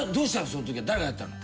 その時は誰がやったの？